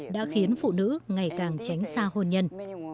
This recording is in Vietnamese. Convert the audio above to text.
đã khiến phụ nữ ngày càng tránh xa hôn nhân